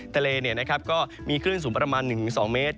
ทะเลก็มีคลื่นสูงประมาณ๑๒เมตร